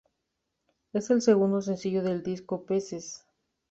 Es el segundo sencillo del disco "Peces".